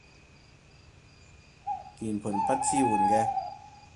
鍵盤不支援嘅